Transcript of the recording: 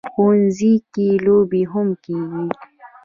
ښوونځی کې لوبې هم کېږي